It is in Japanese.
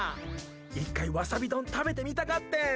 １回ワサビ丼食べてみたかってん。